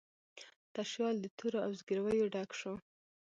تشیال د تورو او زګیرویو ډک شو